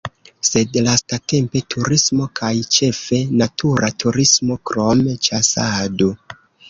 Sed lastatempe turismo kaj ĉefe natura turismo, krom ĉasado.